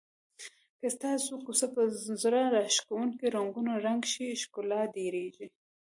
که ستاسو کوڅه په زړه راښکونکو رنګونو رنګ شي ښکلا ډېریږي.